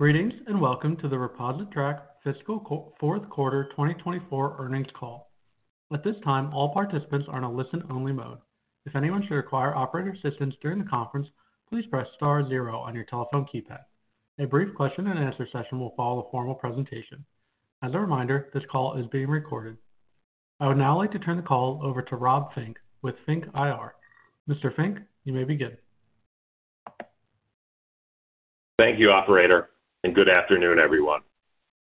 Greetings, and welcome to the ReposiTrak Fiscal Fourth Quarter 2024 Earnings Call. At this time, all participants are in a listen-only mode. If anyone should require operator assistance during the conference, please press star zero on your telephone keypad. A brief question-and-answer session will follow the formal presentation. As a reminder, this call is being recorded. I would now like to turn the call over to Rob Fink with FNK IR. Mr. Fink, you may begin. Thank you, operator, and good afternoon, everyone.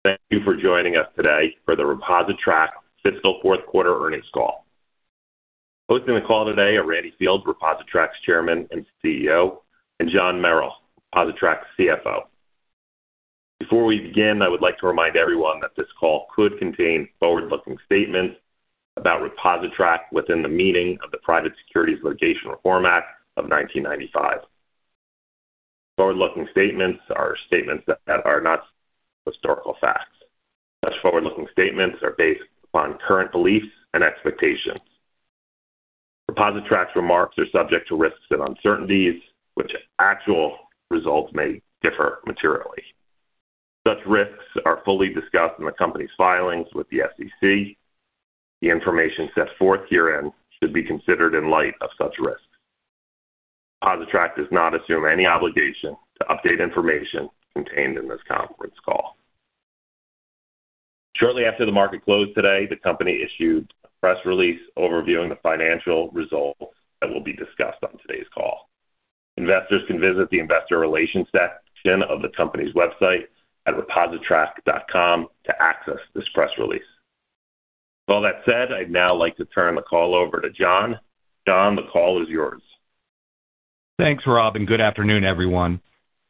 Thank you for joining us today for the ReposiTrak Fiscal Fourth Quarter Earnings Call. Hosting the call today are Randy Fields, ReposiTrak's Chairman and CEO, and John Merrill, ReposiTrak's CFO. Before we begin, I would like to remind everyone that this call could contain forward-looking statements about ReposiTrak within the meaning of the Private Securities Litigation Reform Act of 1995. Forward-looking statements are statements that are not historical facts. Such forward-looking statements are based upon current beliefs and expectations. ReposiTrak's remarks are subject to risks and uncertainties, which actual results may differ materially. Such risks are fully discussed in the company's filings with the SEC. The information set forth herein should be considered in light of such risks. ReposiTrak does not assume any obligation to update information contained in this conference call. Shortly after the market closed today, the company issued a press release overviewing the financial results that will be discussed on today's call. Investors can visit the investor relations section of the company's website at repositrak.com to access this press release. With all that said, I'd now like to turn the call over to John. John, the call is yours. Thanks, Rob, and good afternoon, everyone.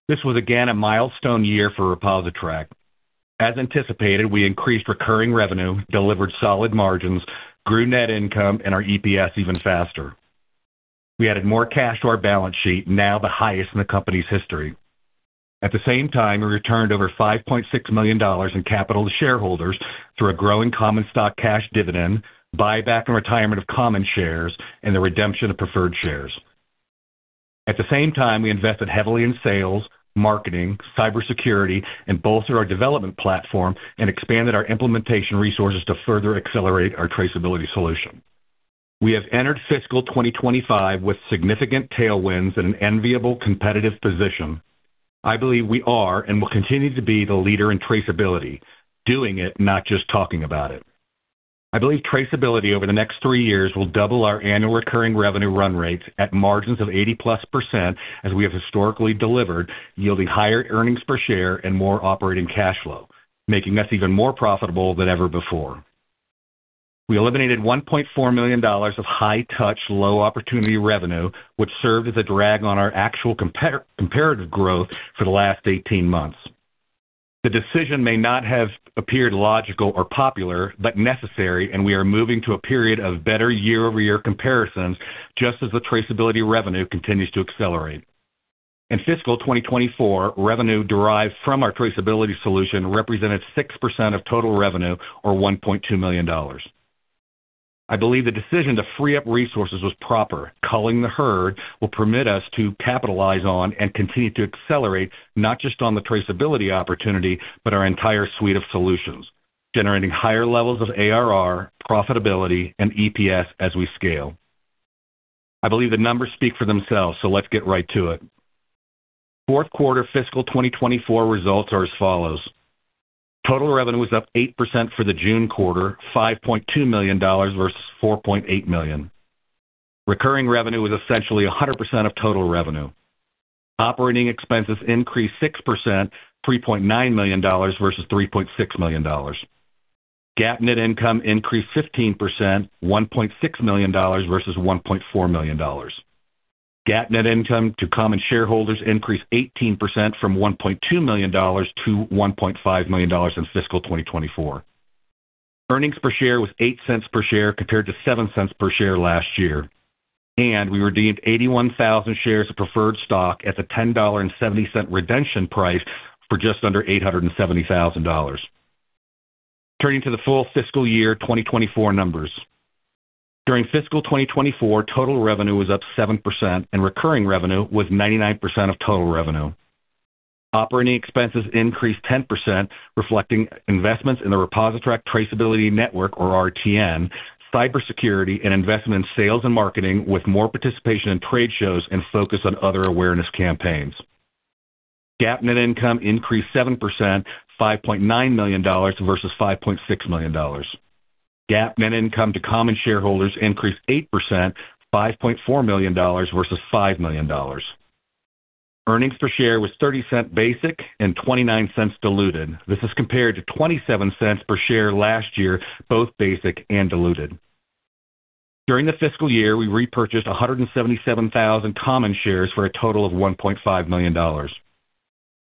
This was again a milestone year for ReposiTrak. As anticipated, we increased recurring revenue, delivered solid margins, grew net income, and our EPS even faster. We added more cash to our balance sheet, now the highest in the company's history. At the same time, we returned over $5.6 million in capital to shareholders through a growing common stock cash dividend, buyback, and retirement of common shares, and the redemption of preferred shares. At the same time, we invested heavily in sales, marketing, cybersecurity, and bolstered our development platform and expanded our implementation resources to further accelerate our traceability solution. We have entered fiscal 2025 with significant tailwinds and an enviable competitive position. I believe we are and will continue to be the leader in traceability, doing it, not just talking about it. I believe traceability over the next three years will double our annual recurring revenue run rates at margins of 80%+, as we have historically delivered, yielding higher earnings per share and more operating cash flow, making us even more profitable than ever before. We eliminated $1.4 million of high-touch, low-opportunity revenue, which served as a drag on our actual comparative growth for the last 18 months. The decision may not have appeared logical or popular, but necessary, and we are moving to a period of better year-over-year comparisons, just as the traceability revenue continues to accelerate. In fiscal 2024, revenue derived from our traceability solution represented 6% of total revenue, or $1.2 million. I believe the decision to free up resources was proper. Culling the herd will permit us to capitalize on and continue to accelerate, not just on the traceability opportunity, but our entire suite of solutions, generating higher levels of ARR, profitability, and EPS as we scale. I believe the numbers speak for themselves, so let's get right to it. Fourth quarter fiscal 2024 results are as follows, total revenue was up 8% for the June quarter, $5.2 million versus $4.8 million. Recurring revenue was essentially 100% of total revenue. Operating expenses increased 6%, $3.9 million versus $3.6 million. GAAP net income increased 15%, $1.6 million versus $1.4 million. GAAP net income to common shareholders increased 18% from $1.2 million-$1.5 million in fiscal 2024. Earnings per share was $0.08 per share, compared to $0.07 per share last year, and we redeemed 81,000 shares of preferred stock at the $10.70 redemption price for just under $870,000. Turning to the full fiscal year 2024 numbers. During fiscal 2024, total revenue was up 7%, and recurring revenue was 99% of total revenue. Operating expenses increased 10%, reflecting investments in the ReposiTrak Traceability Network, or RTN, cybersecurity, and investment in sales and marketing, with more participation in trade shows and focus on other awareness campaigns. GAAP net income increased 7%, $5.9 million versus $5.6 million. GAAP net income to common shareholders increased 8%, $5.4 million versus $5 million. Earnings per share was $0.30 basic and $0.29 diluted. This is compared to $0.27 per share last year, both basic and diluted. During the fiscal year, we repurchased 177,000 common shares for a total of $1.5 million.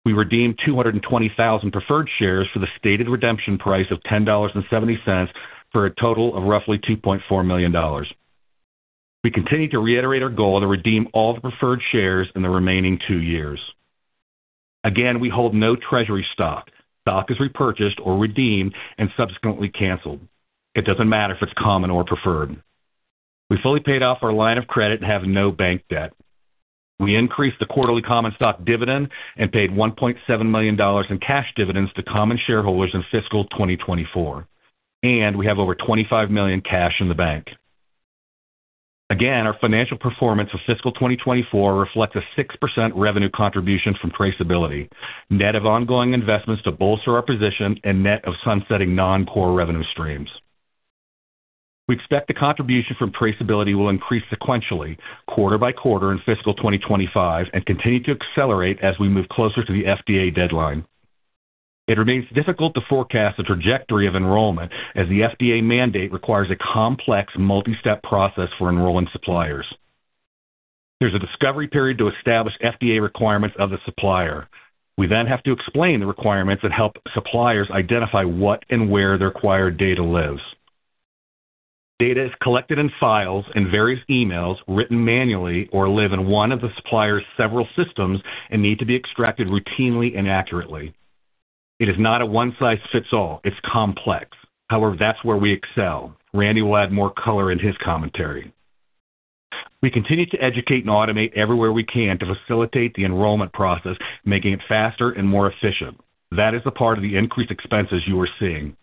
We redeemed 220,000 preferred shares for the stated redemption price of $10.70, for a total of roughly $2.4 million. We continue to reiterate our goal to redeem all the preferred shares in the remaining two years. Again, we hold no treasury stock. Stock is repurchased or redeemed and subsequently canceled. It doesn't matter if it's common or preferred. We fully paid off our line of credit and have no bank debt. We increased the quarterly common stock dividend and paid $1.7 million in cash dividends to common shareholders in fiscal 2024, and we have over $25 million cash in the bank. Again, our financial performance of fiscal 2024 reflects a 6% revenue contribution from traceability, net of ongoing investments to bolster our position and net of sunsetting non-core revenue streams. We expect the contribution from traceability will increase sequentially, quarter by quarter in fiscal 2025, and continue to accelerate as we move closer to the FDA deadline. It remains difficult to forecast the trajectory of enrollment, as the FDA mandate requires a complex, multi-step process for enrolling suppliers. There's a discovery period to establish FDA requirements of the supplier. We then have to explain the requirements and help suppliers identify what and where their required data lives. Data is collected in files, in various emails, written manually, or live in one of the supplier's several systems, and need to be extracted routinely and accurately. It is not a one-size-fits-all. It's complex. However, that's where we excel. Randy will add more color in his commentary. We continue to educate and automate everywhere we can to facilitate the enrollment process, making it faster and more efficient. That is the part of the increased expenses you are seeing.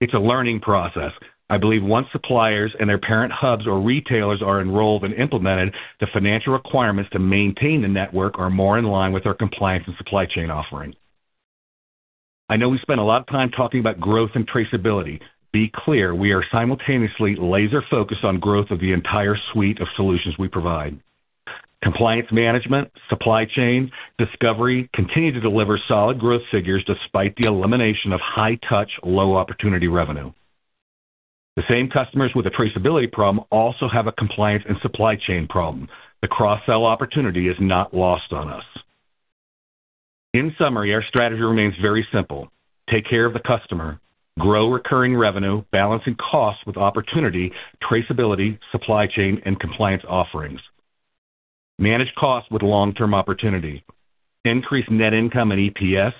It's a learning process. I believe once suppliers and their parent hubs or retailers are enrolled and implemented, the financial requirements to maintain the network are more in line with our compliance and supply chain offering. I know we spent a lot of time talking about growth and traceability. Be clear, we are simultaneously laser-focused on growth of the entire suite of solutions we provide. Compliance management, supply chain, discovery continue to deliver solid growth figures despite the elimination of high-touch, low-opportunity revenue. The same customers with a traceability problem also have a compliance and supply chain problem. The cross-sell opportunity is not lost on us. In summary, our strategy remains very simple: Take care of the customer, grow recurring revenue, balancing costs with opportunity, traceability, supply chain, and compliance offerings. Manage costs with long-term opportunity. Increase net income and EPS.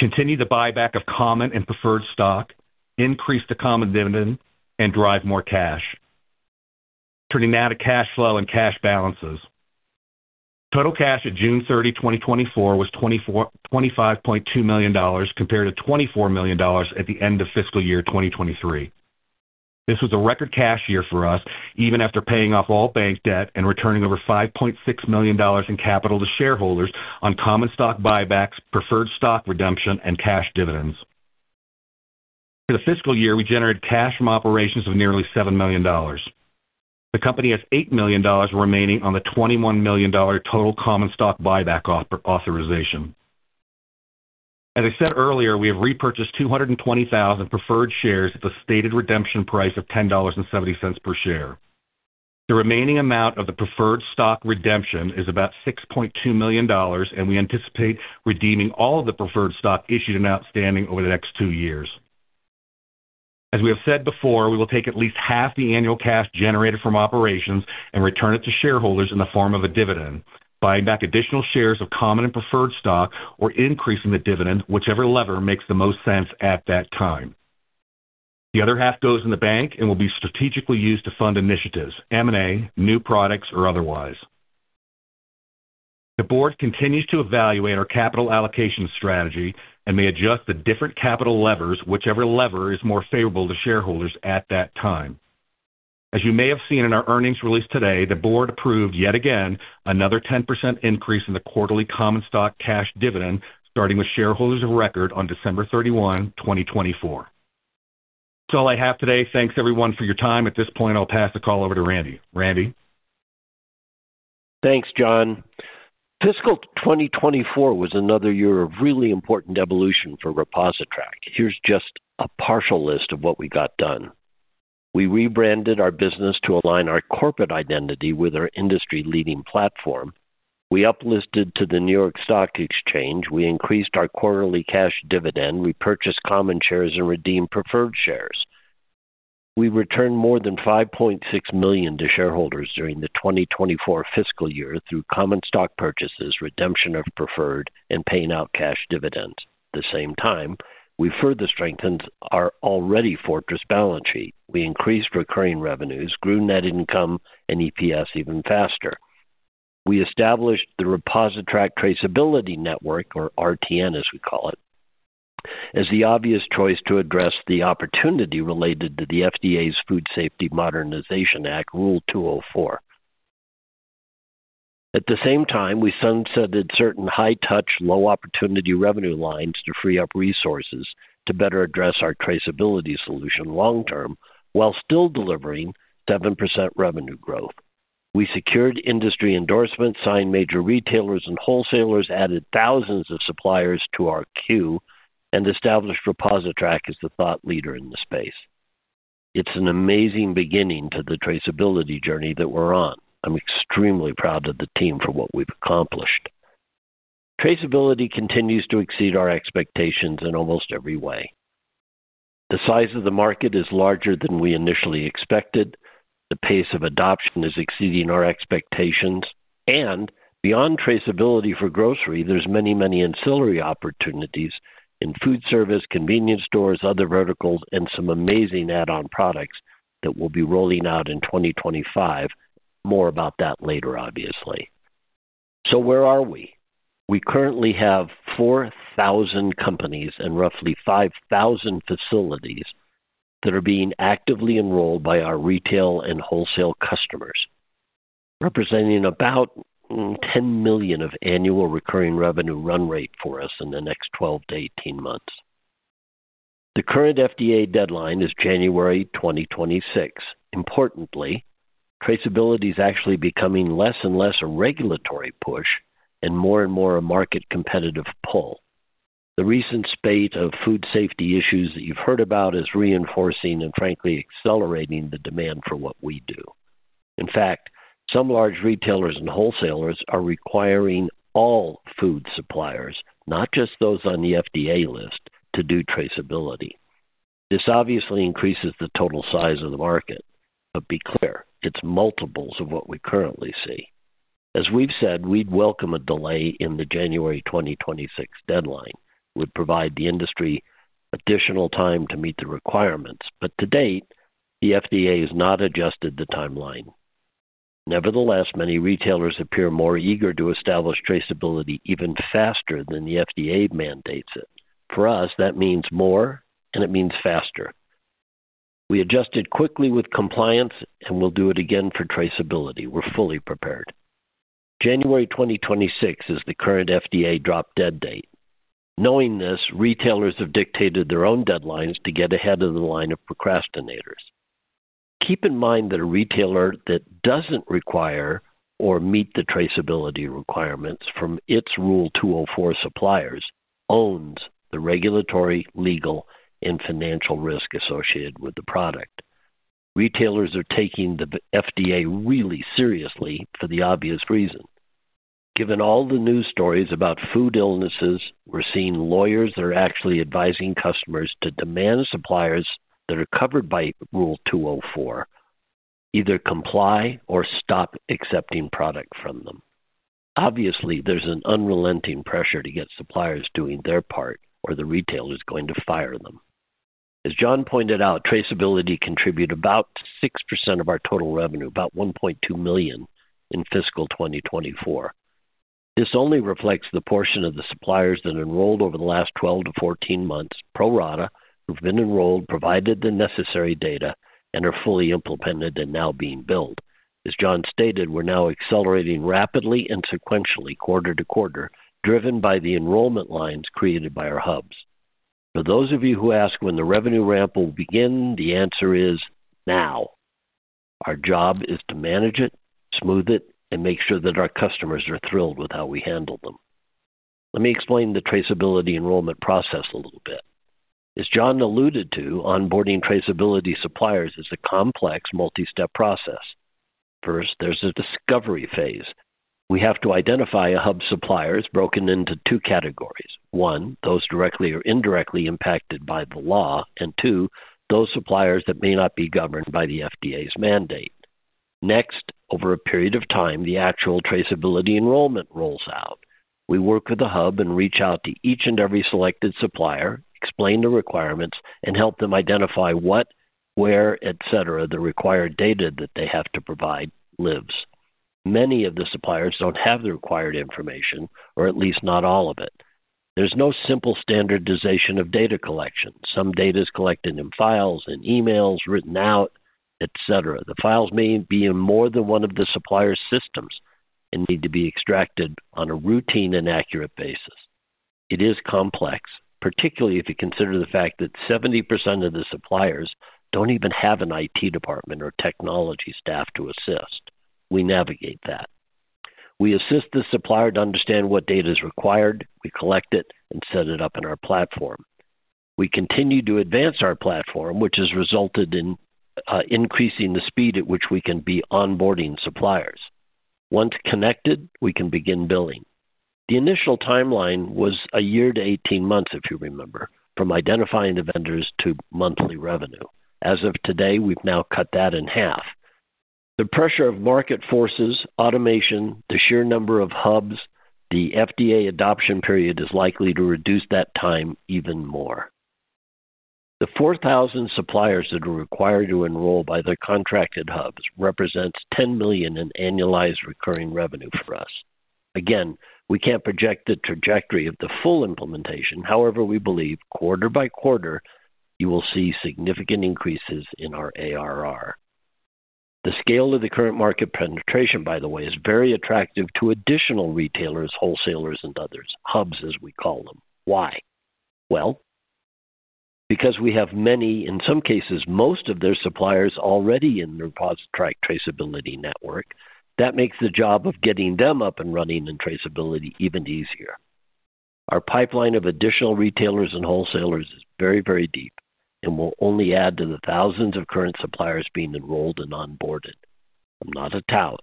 Continue the buyback of common and preferred stock. Increase the common dividend and drive more cash. Turning now to cash flow and cash balances. Total cash at June 30, 2024, was $25.2 million, compared to $24 million at the end of fiscal year 2023. This was a record cash year for us, even after paying off all bank debt and returning over $5.6 million in capital to shareholders on common stock buybacks, preferred stock redemption, and cash dividends. For the fiscal year, we generated cash from operations of nearly $7 million. The company has $8 million remaining on the $21 million total common stock buyback authorization. As I said earlier, we have repurchased 220,000 preferred shares at the stated redemption price of $10.70 per share. The remaining amount of the preferred stock redemption is about $6.2 million, and we anticipate redeeming all of the preferred stock issued and outstanding over the next two years. As we have said before, we will take at least half the annual cash generated from operations and return it to shareholders in the form of a dividend, buying back additional shares of common and preferred stock, or increasing the dividend, whichever lever makes the most sense at that time. The other half goes in the bank and will be strategically used to fund initiatives, M&A, new products, or otherwise. The board continues to evaluate our capital allocation strategy and may adjust the different capital levers, whichever lever is more favorable to shareholders at that time. As you may have seen in our earnings release today, the board approved, yet again, another 10% increase in the quarterly common stock cash dividend, starting with shareholders of record on December 31, 2024. That's all I have today. Thanks, everyone, for your time. At this point, I'll pass the call over to Randy. Randy? Thanks, John. Fiscal 2024 was another year of really important evolution for ReposiTrak. Here's just a partial list of what we got done. We rebranded our business to align our corporate identity with our industry-leading platform. We uplisted to the New York Stock Exchange. We increased our quarterly cash dividend. We purchased common shares and redeemed preferred shares. We returned more than $5.6 million to shareholders during the 2024 fiscal year through common stock purchases, redemption of preferred, and paying out cash dividends. At the same time, we further strengthened our already fortress balance sheet. We increased recurring revenues, grew net income and EPS even faster. We established the ReposiTrak Traceability Network, or RTN, as we call it, as the obvious choice to address the opportunity related to the FDA's Food Safety Modernization Act, Rule 204. At the same time, we sunsetted certain high-touch, low-opportunity revenue lines to free up resources to better address our traceability solution long term, while still delivering 7% revenue growth. We secured industry endorsements, signed major retailers and wholesalers, added thousands of suppliers to our queue, and established ReposiTrak as the thought leader in the space. It's an amazing beginning to the traceability journey that we're on. I'm extremely proud of the team for what we've accomplished. Traceability continues to exceed our expectations in almost every way. The size of the market is larger than we initially expected. The pace of adoption is exceeding our expectations, and beyond traceability for grocery, there's many, many ancillary opportunities in food service, convenience stores, other verticals, and some amazing add-on products that we'll be rolling out in 2025. More about that later, obviously. So where are we? We currently have 4,000 companies and roughly 5,000 facilities that are being actively enrolled by our retail and wholesale customers, representing about $10 million of annual recurring revenue run rate for us in the next 12-18 months. The current FDA deadline is January 2026. Importantly, traceability is actually becoming less and less a regulatory push and more and more a market competitive pull. The recent spate of food safety issues that you've heard about is reinforcing and frankly, accelerating the demand for what we do. In fact, some large retailers and wholesalers are requiring all food suppliers, not just those on the FDA list, to do traceability. This obviously increases the total size of the market, but be clear, it's multiples of what we currently see. As we've said, we'd welcome a delay in the January 2026 deadline. Would provide the industry additional time to meet the requirements, but to date, the FDA has not adjusted the timeline. Nevertheless, many retailers appear more eager to establish traceability even faster than the FDA mandates it. For us, that means more, and it means faster. We adjusted quickly with compliance, and we'll do it again for traceability. We're fully prepared. January 2026 is the current FDA drop dead date. Knowing this, retailers have dictated their own deadlines to get ahead of the line of procrastinators. Keep in mind that a retailer that doesn't require or meet the traceability requirements from its Rule 204 suppliers owns the regulatory, legal, and financial risk associated with the product. Retailers are taking the FDA really seriously for the obvious reason. Given all the news stories about food illnesses, we're seeing lawyers that are actually advising customers to demand suppliers that are covered by Rule 204, either comply or stop accepting product from them. Obviously, there's an unrelenting pressure to get suppliers doing their part, or the retailer is going to fire them. As John pointed out, traceability contribute about 6% of our total revenue, about $1.2 million in fiscal 2024. This only reflects the portion of the suppliers that enrolled over the last 12-14 months, pro rata, who've been enrolled, provided the necessary data, and are fully implemented and now being billed. As John stated, we're now accelerating rapidly and sequentially quarter to quarter, driven by the enrollment lines created by our hubs. For those of you who ask when the revenue ramp will begin, the answer is now. Our job is to manage it, smooth it, and make sure that our customers are thrilled with how we handle them. Let me explain the traceability enrollment process a little bit. As John alluded to, onboarding traceability suppliers is a complex, multi-step process. First, there's a discovery phase. We have to identify a hub's suppliers broken into two categories. One, those directly or indirectly impacted by the law, and two, those suppliers that may not be governed by the FDA's mandate. Next, over a period of time, the actual traceability enrollment rolls out. We work with the hub and reach out to each and every selected supplier, explain the requirements, and help them identify what, where, etc., the required data that they have to provide lives. Many of the suppliers don't have the required information, or at least not all of it. There's no simple standardization of data collection. Some data is collected in files, in emails, written out, etc. The files may be in more than one of the supplier's systems and need to be extracted on a routine and accurate basis. It is complex, particularly if you consider the fact that 70% of the suppliers don't even have an IT department or technology staff to assist. We navigate that. We assist the supplier to understand what data is required, we collect it, and set it up in our platform. We continue to advance our platform, which has resulted in increasing the speed at which we can be onboarding suppliers. Once connected, we can begin billing. The initial timeline was a year to 18 months, if you remember, from identifying the vendors to monthly revenue. As of today, we've now cut that in half. The pressure of market forces, automation, the sheer number of hubs, the FDA adoption period, is likely to reduce that time even more. The 4,000 suppliers that are required to enroll by the contracted hubs represents $10 million in annualized recurring revenue for us. Again, we can't project the trajectory of the full implementation. However, we believe quarter by quarter, you will see significant increases in our ARR. The scale of the current market penetration, by the way, is very attractive to additional retailers, wholesalers, and others, hubs, as we call them. Why? Well, because we have many, in some cases, most of their suppliers already in ReposiTrak Traceability Network, that makes the job of getting them up and running in traceability even easier. Our pipeline of additional retailers and wholesalers is very, very deep and will only add to the thousands of current suppliers being enrolled and onboarded. I'm not a tout,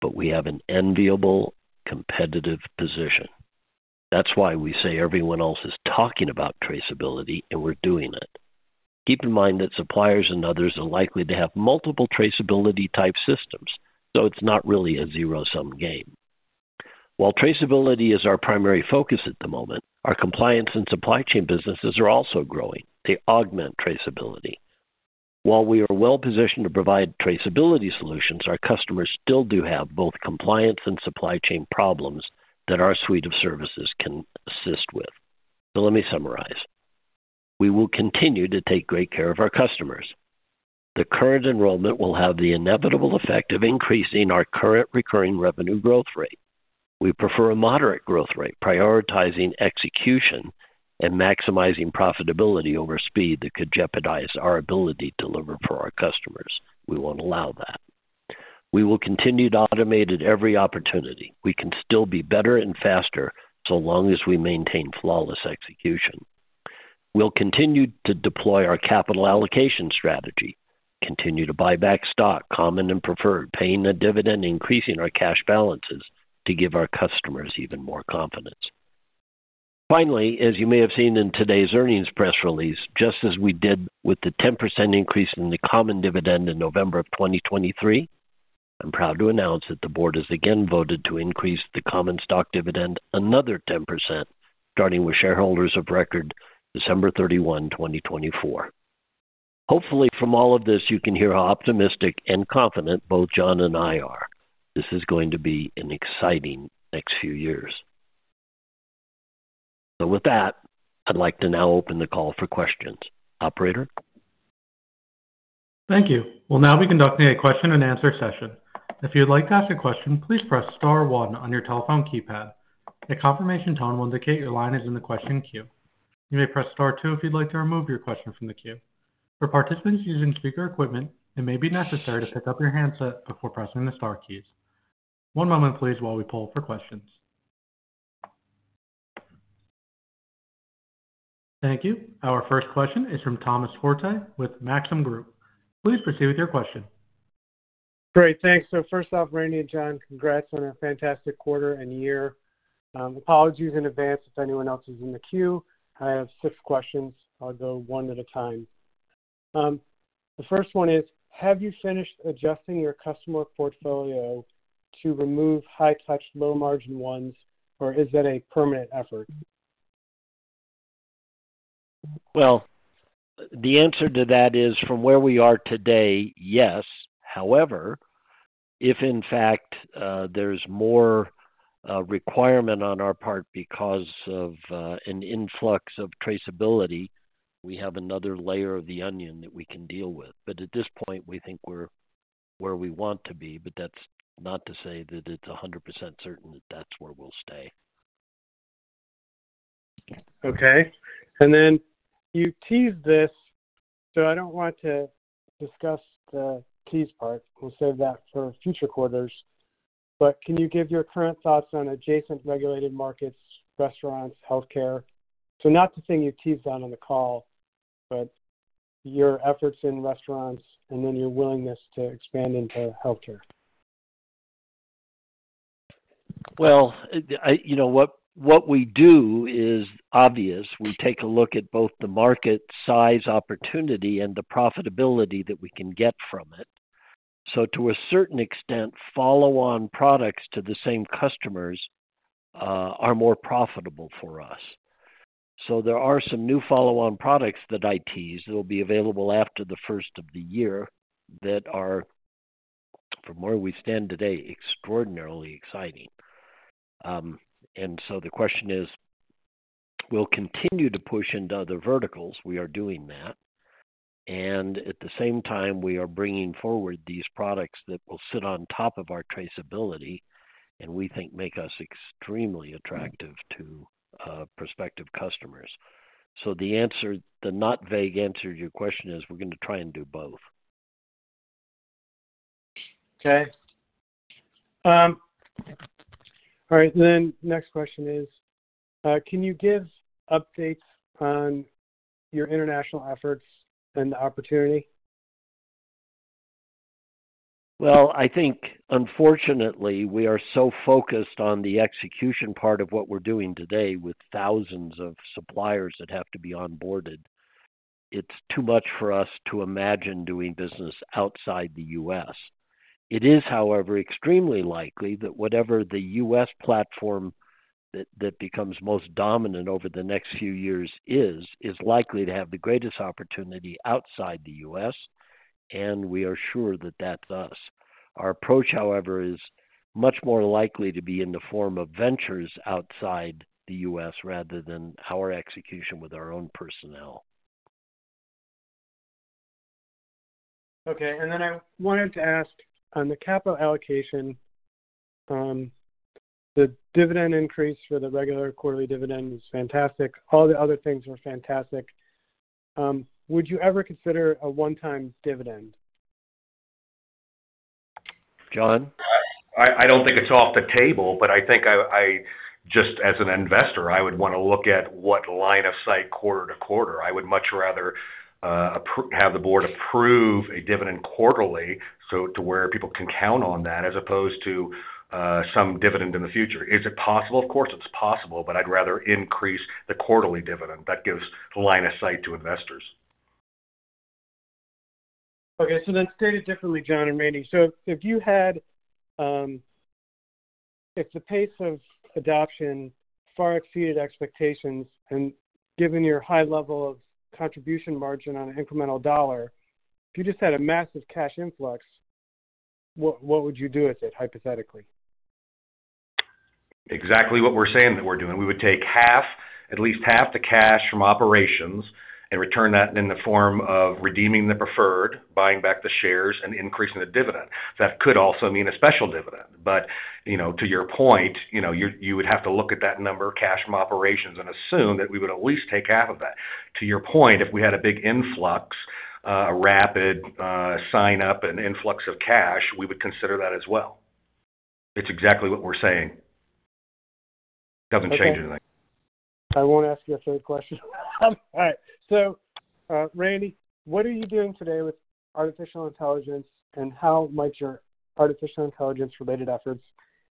but we have an enviable competitive position. That's why we say everyone else is talking about traceability, and we're doing it. Keep in mind that suppliers and others are likely to have multiple traceability type systems, so it's not really a zero-sum game. While traceability is our primary focus at the moment, our compliance and supply chain businesses are also growing. They augment traceability. While we are well-positioned to provide traceability solutions, our customers still do have both compliance and supply chain problems that our suite of services can assist with. So let me summarize. We will continue to take great care of our customers. The current enrollment will have the inevitable effect of increasing our current recurring revenue growth rate. We prefer a moderate growth rate, prioritizing execution and maximizing profitability over speed that could jeopardize our ability to deliver for our customers. We won't allow that. We will continue to automate at every opportunity. We can still be better and faster, so long as we maintain flawless execution. We'll continue to deploy our capital allocation strategy, continue to buy back stock, common and preferred, paying a dividend, increasing our cash balances to give our customers even more confidence. Finally, as you may have seen in today's earnings press release, just as we did with the 10% increase in the common dividend in November of 2023, I'm proud to announce that the board has again voted to increase the common stock dividend another 10%, starting with shareholders of record December 31, 2024. Hopefully, from all of this, you can hear how optimistic and confident both John and I are. This is going to be an exciting next few years. So with that, I'd like to now open the call for questions. Operator? Thank you. We'll now be conducting a question-and-answer session. If you'd like to ask a question, please press star one on your telephone keypad. A confirmation tone will indicate your line is in the question queue. You may press star two if you'd like to remove your question from the queue. For participants using speaker equipment, it may be necessary to pick up your handset before pressing the star keys. One moment please, while we pull for questions. Thank you. Our first question is from Thomas Forte with Maxim Group. Please proceed with your question. Great, thanks. So first off, Randy and John, congrats on a fantastic quarter and year. Apologies in advance if anyone else is in the queue. I have six questions. I'll go one at a time. The first one is: have you finished adjusting your customer portfolio to remove high-touch, low-margin ones, or is that a permanent effort? The answer to that is, from where we are today, yes. However, if in fact, there's more requirement on our part because of an influx of traceability, we have another layer of the onion that we can deal with. But at this point, we think we're where we want to be, but that's not to say that it's 100% certain that that's where we'll stay. Okay. And then you teased this, so I don't want to discuss the tease part. We'll save that for future quarters, but can you give your current thoughts on adjacent regulated markets, restaurants, healthcare? So not the thing you teased on the call, but your efforts in restaurants and then your willingness to expand into healthcare. You know, what we do is obvious. We take a look at both the market size, opportunity, and the profitability that we can get from it, so to a certain extent, follow-on products to the same customers are more profitable for us, so there are some new follow-on products that I teased that will be available after the first of the year, that are, from where we stand today, extraordinarily exciting, and so the question is, we'll continue to push into other verticals. We are doing that, and at the same time, we are bringing forward these products that will sit on top of our traceability and we think make us extremely attractive to prospective customers, so the answer, the not vague answer to your question is we're going to try and do both. Okay. All right, then next question is, can you give updates on your international efforts and the opportunity? I think unfortunately, we are so focused on the execution part of what we're doing today with thousands of suppliers that have to be onboarded. It's too much for us to imagine doing business outside the U.S. It is, however, extremely likely that whatever the U.S. platform that becomes most dominant over the next few years is, is likely to have the greatest opportunity outside the U.S., and we are sure that that's us. Our approach, however, is much more likely to be in the form of ventures outside the U.S., rather than our execution with our own personnel. Okay, and then I wanted to ask on the capital allocation, the dividend increase for the regular quarterly dividend was fantastic. All the other things were fantastic. Would you ever consider a one-time dividend? John? I don't think it's off the table, but I think just as an investor, I would want to look at what line of sight quarter to quarter. I would much rather have the board approve a dividend quarterly, so to where people can count on that, as opposed to some dividend in the future. Is it possible? Of course, it's possible, but I'd rather increase the quarterly dividend. That gives line of sight to investors. Okay, so then stated differently, John and Randy. So if you had, if the pace of adoption far exceeded expectations, and given your high level of contribution margin on an incremental dollar, if you just had a massive cash influx, what would you do with it, hypothetically? Exactly what we're saying that we're doing. We would take half, at least half the cash from operations and return that in the form of redeeming the preferred, buying back the shares, and increasing the dividend. That could also mean a special dividend, but, you know, to your point, you know, you would have to look at that number of cash from operations and assume that we would at least take half of that. To your point, if we had a big influx, a rapid, sign-up and influx of cash, we would consider that as well. It's exactly what we're saying. Doesn't change anything. I won't ask you a third question. All right. So, Randy, what are you doing today with artificial intelligence, and how might your artificial intelligence-related efforts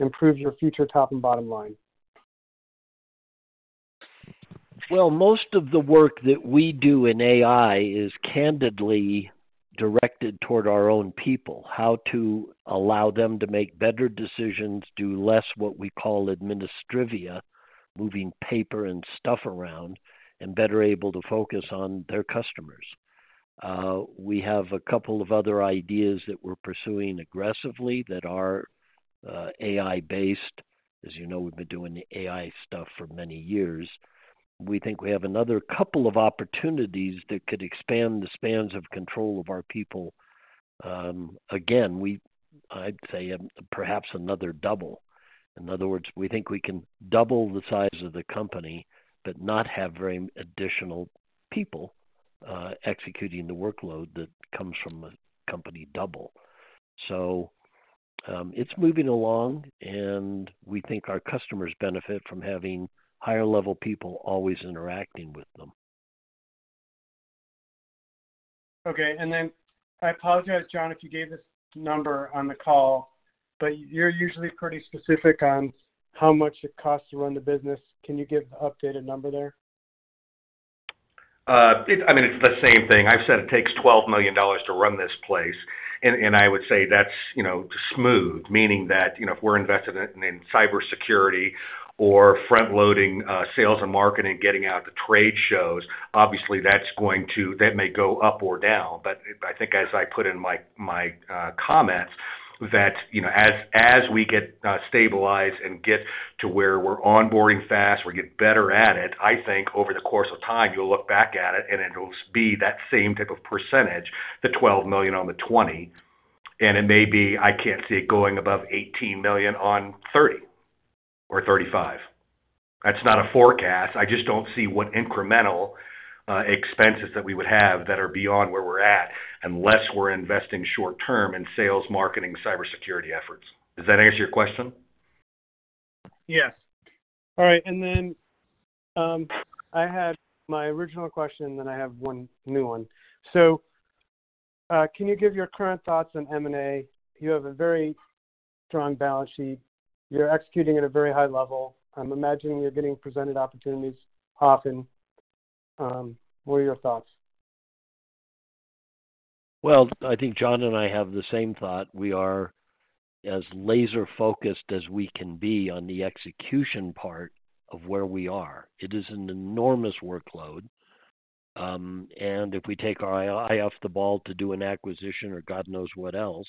improve your future top and bottom line? Most of the work that we do in AI is candidly directed toward our own people. How to allow them to make better decisions, do less what we call administrivia, moving paper and stuff around, and better able to focus on their customers. We have a couple of other ideas that we're pursuing aggressively that are AI-based. As you know, we've been doing the AI stuff for many years. We think we have another couple of opportunities that could expand the spans of control of our people. Again, I'd say perhaps another double. In other words, we think we can double the size of the company, but not have very additional people executing the workload that comes from a company double. It's moving along, and we think our customers benefit from having higher-level people always interacting with them. Okay, and then I apologize, John, if you gave this number on the call, but you're usually pretty specific on how much it costs to run the business. Can you give the updated number there? I mean, it's the same thing. I've said it takes $12 million to run this place, and I would say that's, you know, smooth. Meaning that, you know, if we're invested in cybersecurity or front-loading sales and marketing, getting out to trade shows, obviously, that's going to, that may go up or down. But I think as I put in my comments, that, you know, as we get stabilized and get to where we're onboarding fast, we get better at it, I think over the course of time, you'll look back at it, and it will be that same type of percentage, the $12 million on the 20, and it may be, I can't see it going above $18 million on 30 or 35. That's not a forecast. I just don't see what incremental expenses that we would have that are beyond where we're at, unless we're investing short term in sales, marketing, cybersecurity efforts. Does that answer your question? Yes. All right, and then, I had my original question, then I have one new one. So, can you give your current thoughts on M&A? You have a very strong balance sheet. You're executing at a very high level. I'm imagining you're getting presented opportunities often. What are your thoughts? I think John and I have the same thought. We are as laser-focused as we can be on the execution part of where we are. It is an enormous workload, and if we take our eye off the ball to do an acquisition or God knows what else,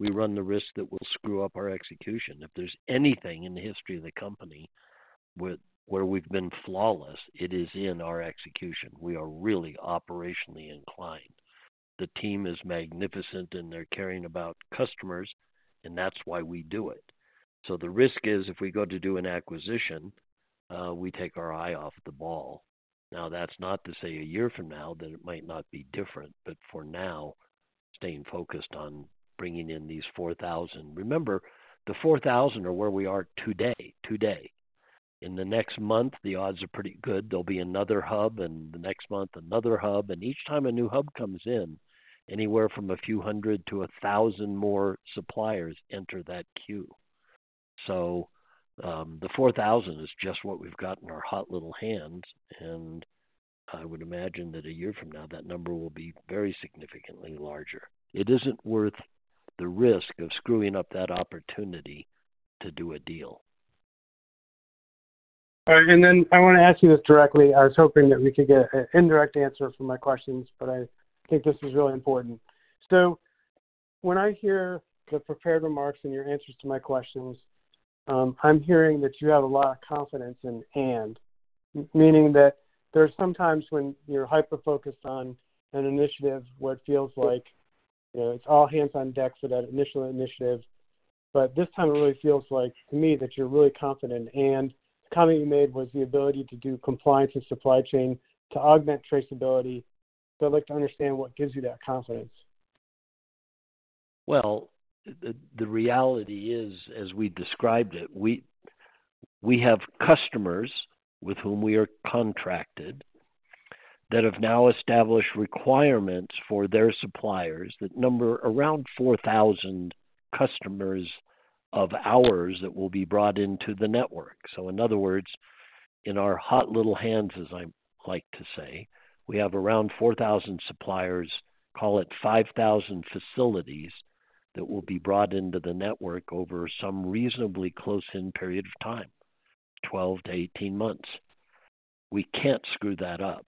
we run the risk that we'll screw up our execution. If there's anything in the history of the company where we've been flawless, it is in our execution. We are really operationally inclined. The team is magnificent, and they're caring about customers, and that's why we do it. The risk is if we go to do an acquisition, we take our eye off the ball. Now, that's not to say a year from now, that it might not be different, but for now, staying focused on bringing in these 4,000. Remember, the 4,000 are where we are today, today. In the next month, the odds are pretty good there'll be another hub, and the next month, another hub, and each time a new hub comes in, anywhere from a few hundred to 1,000 more suppliers enter that queue. So, the 4,000 is just what we've got in our hot little hands, and I would imagine that a year from now, that number will be very significantly larger. It isn't worth the risk of screwing up that opportunity to do a deal. All right, and then I want to ask you this directly. I was hoping that we could get an indirect answer from my questions, but I think this is really important. So when I hear the prepared remarks and your answers to my questions, I'm hearing that you have a lot of confidence in hand, meaning that there are some times when you're hyper-focused on an initiative, what feels like, you know, it's all hands on deck for that initial initiative. But this time it really feels like, to me, that you're really confident, and the comment you made was the ability to do compliance and supply chain to augment traceability. So I'd like to understand what gives you that confidence? The reality is, as we described it, we have customers with whom we are contracted, that have now established requirements for their suppliers, that number around 4,000 customers of ours that will be brought into the network. So in other words, in our hot little hands, as I like to say, we have around 4,000 suppliers, call it 5,000 facilities, that will be brought into the network over some reasonably close-in period of time, 12-18 months. We can't screw that up.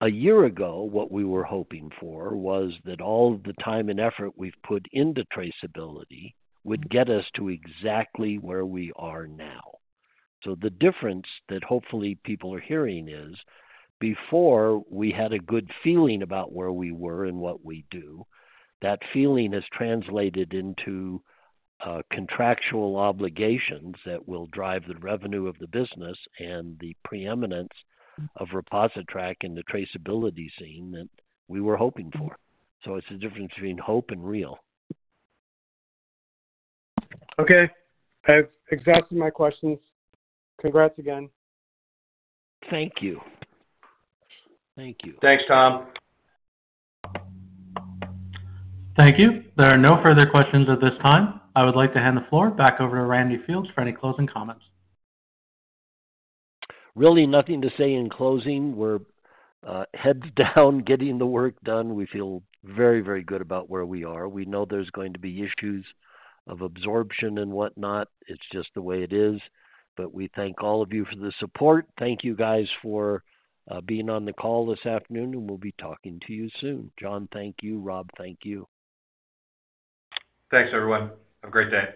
A year ago, what we were hoping for was that all the time and effort we've put into traceability would get us to exactly where we are now. So the difference that hopefully people are hearing is, before we had a good feeling about where we were and what we do, that feeling has translated into contractual obligations that will drive the revenue of the business and the preeminence of ReposiTrak in the traceability scene that we were hoping for. So it's the difference between hope and real. Okay. That's exactly my questions. Congrats again. Thank you. Thank you. Thanks, Tom. Thank you. There are no further questions at this time. I would like to hand the floor back over to Randy Fields for any closing comments. Really nothing to say in closing. We're heads down, getting the work done. We feel very, very good about where we are. We know there's going to be issues of absorption and whatnot. It's just the way it is. But we thank all of you for the support. Thank you, guys, for being on the call this afternoon, and we'll be talking to you soon. John, thank you. Rob, thank you. Thanks, everyone. Have a great day.